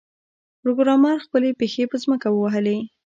پروګرامر خپلې پښې په ځمکه ووهلې